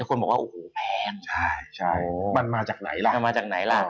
ทุกคนบอกว่าโอ้แพงมันมาจากไหนล่ะ